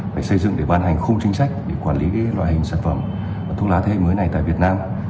phải xây dựng để ban hành khung chính sách để quản lý loại hình sản phẩm thuốc lá thế hệ mới này tại việt nam